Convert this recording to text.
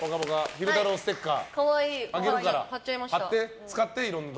昼太郎ステッカー。